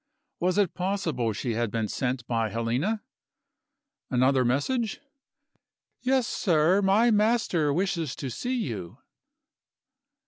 Was it possible she had been sent by Helena? "Another message?" "Yes, sir. My master wishes to see you."